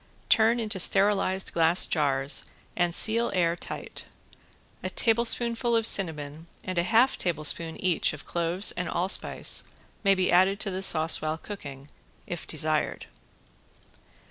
Turn into sterilised glass jars and seal air tight. A tablespoonful of cinnamon and a half tablespoonful each of cloves and allspice may be added to the sauce while cooking if desired.